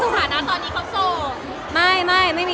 ครบกี๊แล้ว